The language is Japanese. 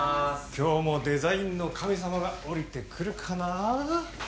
今日もデザインの神様が降りてくるかな？